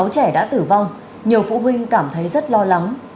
sáu trẻ đã tử vong nhiều phụ huynh cảm thấy rất lo lắng